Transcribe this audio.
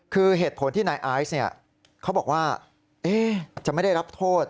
คือเหตุผลที่นายไอซ์เขาบอกว่าจะไม่ได้รับโทษ